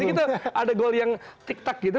jadi kita ada gol yang tik tak gitu